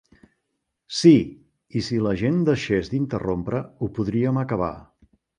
Sí, i si la gent deixés d'interrompre, ho podríem acabar.